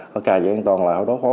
họ cài dễ an toàn lại họ đói khó